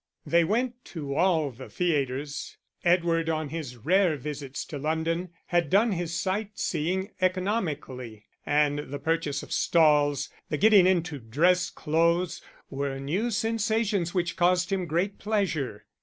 They went to all the theatres; Edward, on his rare visits to London, had done his sightseeing economically, and the purchase of stalls, the getting into dress clothes, were new sensations which caused him great pleasure.